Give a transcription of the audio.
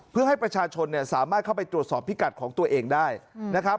เพื่อให้ประชาชนเนี่ยสามารถเข้าไปตรวจสอบพิกัดของตัวเองได้นะครับ